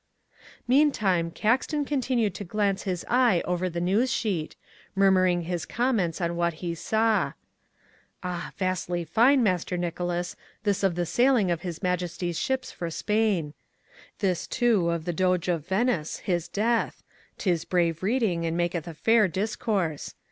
Meantime Caxton continued to glance his eye over the news sheet, murmuring his comments on what he saw, "Ah! vastly fine, Master Nicholas, this of the sailing of His Majesty's ships for Spain, and this, too, of the Doge of Venice, his death, 'tis brave reading and maketh a fair discourse.